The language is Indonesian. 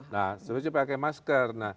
nah selalu pakai masker